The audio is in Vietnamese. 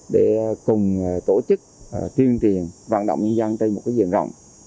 để cùng tổ chức tuyên truyền vận động nhân dân trên một diện rộng